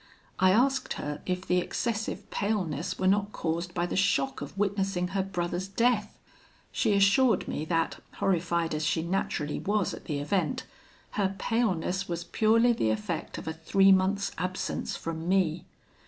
I asked her if the excessive paleness were not caused by the shock of witnessing her brother's death? She assured me that, horrified as she naturally was at the event, her paleness was purely the effect of a three months' absence from me.